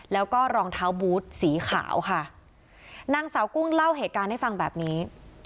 แล้วก็รองเท้าบูธสีขาวค่ะนางสาวกุ้งเล่าเหตุการณ์ให้ฟังแบบนี้